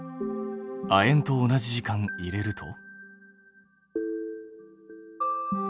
亜鉛と同じ時間入れると？